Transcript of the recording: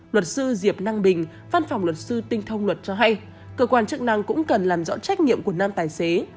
luật sư diệp năng bình văn phòng luật sư tinh thông luật cho hay cơ quan chức năng cũng cần làm rõ trách nhiệm của nam tài xế